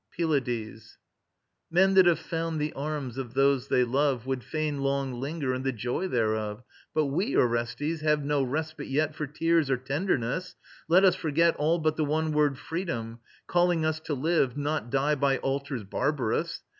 PYLADES. Men that have found the arms of those they love Would fain long linger in the joy thereof. But we, Orestes, have no respite yet For tears or tenderness. Let us forget All but the one word Freedom, calling us To live, not die by altars barbarous.